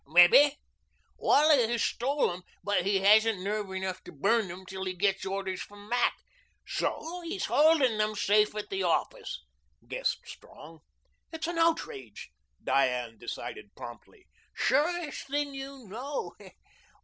"Maybe. Wally has stole them, but he hasn't nerve enough to burn them till he gets orders from Mac. So he's holding them safe at the office," guessed Strong. "It's an outrage," Diane decided promptly. "Surest thing you know.